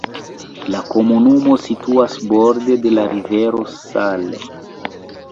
La komunumo situas borde de la rivero Saale.